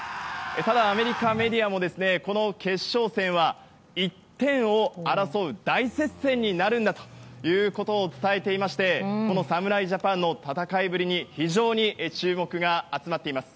ただ、アメリカメディアもこの決勝戦は１点を争う大接戦になるんだということを伝えていましてこの侍ジャパンの戦いぶりに非常に注目が集まっています。